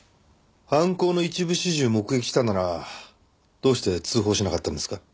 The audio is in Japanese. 犯行の一部始終を目撃したならどうして通報しなかったんですか？